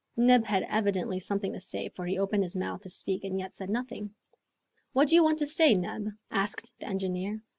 Neb had evidently something to say, for he opened his mouth to speak and yet said nothing. "What do you want to say, Neb?" asked the engineer.